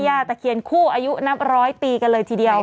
ตะเคียนคู่อายุนับร้อยปีกันเลยทีเดียว